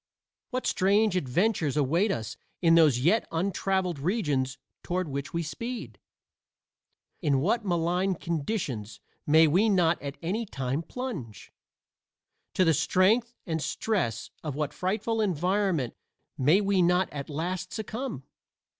What strange adventures await us in those yet untraveled regions toward which we speed? into what malign conditions may we not at any time plunge? to the strength and stress of what frightful environment may we not at last succumb?